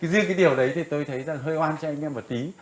riêng cái điều đấy tôi thấy hơi oan cho anh em một tí